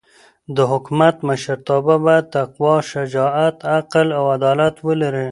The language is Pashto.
د حکومت مشرتابه باید تقوا، شجاعت، عقل او عدالت ولري.